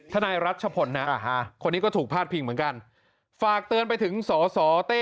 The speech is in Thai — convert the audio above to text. นายรัชพลนะคนนี้ก็ถูกพาดพิงเหมือนกันฝากเตือนไปถึงสสเต้